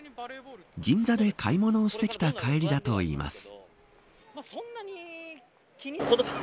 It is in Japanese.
銀座で買い物をしてきた帰りだといいます。